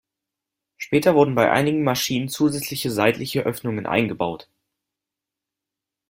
Später wurden bei einigen Maschinen zusätzliche seitliche Öffnungen eingebaut.